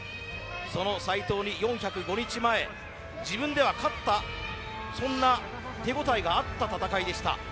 その斎藤に４０５日前自分では勝ったそんな手応えがあった戦いでした。